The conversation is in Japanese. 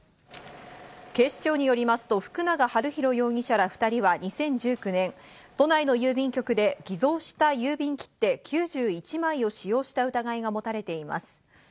警視庁によりますと福永悠宏容疑者ら２人は２０１９年、都内の郵便局で偽造した郵便切手９１枚を使用した疑いが持たれています。